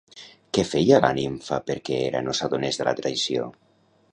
Què feia la nimfa perquè Hera no s'adonés de la traïció?